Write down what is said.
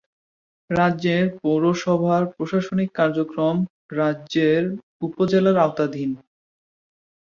রাজৈর পৌরসভার প্রশাসনিক কার্যক্রম রাজৈর উপজেলার আওতাধীন।